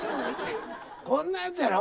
こんなやつやろ？